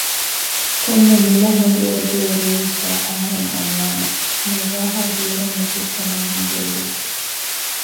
ކޮންމެ މިލަހަނދުވަރު ދޭ ރެއެއްގައި އަހަރެން އަންނާނަން ނަޒާހާ ބޭރަށް ނިކުތްތަނާހެން ގެއްލިއްޖެ